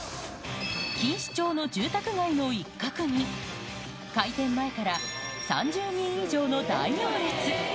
錦糸町の住宅街の一角に、開店前から３０人以上の大行列。